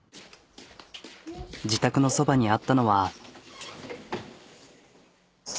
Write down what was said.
自宅のそばにあったのは。